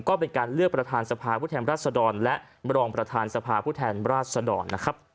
ก็เป็นการเลือกประธานสภาผู้แทนรัศดรและรองประธานสภาผู้แทนราชดรนะครับ